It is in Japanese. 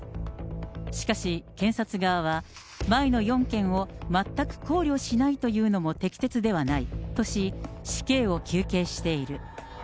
しかし、検察側は、前の４件を全く考慮しないというのも適切ではないとし、死刑を求刑している。